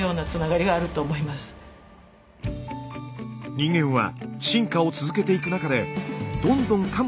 人間は進化を続けていく中でどんどんかむ